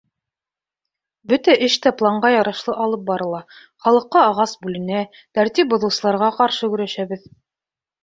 — Бөтә эш тә планға ярашлы алып барыла: халыҡҡа ағас бүленә, тәртип боҙоусыларға ҡаршы көрәшәбеҙ.